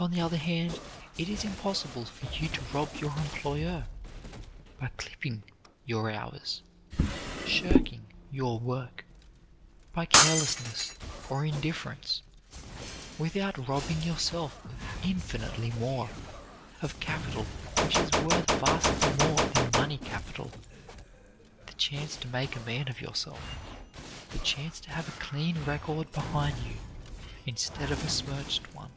On the other hand, it is impossible for you to rob your employer by clipping your hours, shirking your work, by carelessness or indifference, without robbing yourself of infinitely more, of capital which is worth vastly more than money capital the chance to make a man of yourself, the chance to have a clean record behind you instead of a smirched one.